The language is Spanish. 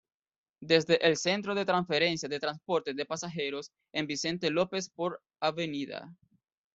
Desde el centro de transferencia de transporte de pasajeros en Vicente López por Av.